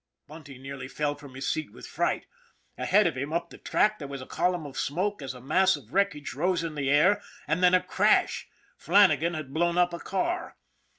Bunty nearly fell from his seat with fright. Ahead of him, up the track, there was a column of smoke as a mass of wreckage rose in the air, and then a crash. Flannagan had blown up a car.